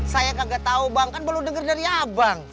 saya kagak tahu bang kan baru dengar dari abang